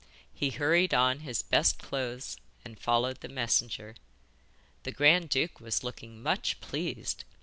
He hurried on his best clothes and followed the messenger. The grand duke was looking much pleased.